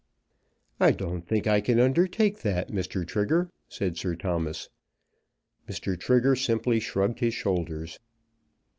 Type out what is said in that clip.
"I don't think I can undertake that, Mr. Trigger," said Sir Thomas. Mr. Trigger simply shrugged his shoulders.